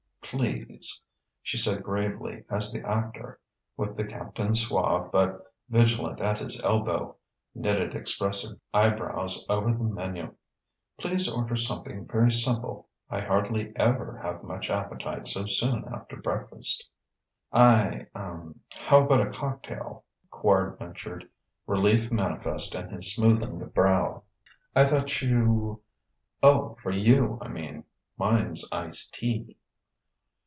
"Please," she said gravely as the actor, with the captain suave but vigilant at his elbow, knitted expressive eyebrows over the menu "please order something very simple. I hardly ever have much appetite so soon after breakfast." "I ah how about a cocktail?" Quard ventured, relief manifest in his smoothened brow. "I thought you " "Oh, for you, I mean. Mine's ice' tea."